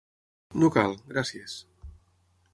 No cal, gràcies.